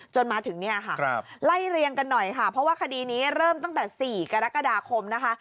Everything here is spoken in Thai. จนถึงเนี่ยค่ะไล่เรียงกันหน่อยค่ะเพราะว่าคดีนี้เริ่มตั้งแต่๔กรกฎาคมนะคะ